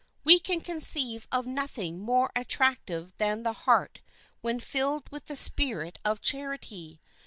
We can conceive of nothing more attractive than the heart when filled with the spirit of charity.